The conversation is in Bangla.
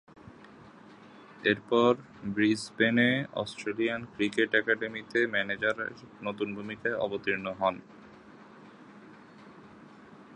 এরপর ব্রিসবেনে অস্ট্রেলিয়ান ক্রিকেট একাডেমিতে ম্যানেজারের নতুন ভূমিকায় অবতীর্ণ হন।